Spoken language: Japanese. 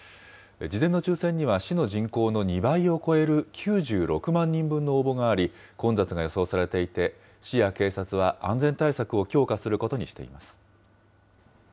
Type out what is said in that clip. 事前の抽せんには市の人口の２倍を超える９６万人分の応募があり、混雑が予想されていて、市や警察は安全対策を強化することにしています。